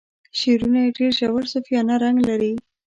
شعرونه یې ډیر ژور صوفیانه رنګ لري.